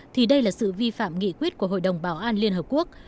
thì đây là sự vi phạm nghị quyết của hội đồng bảo an liên hợp quốc